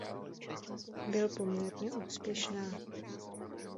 Byl poměrně úspěšná.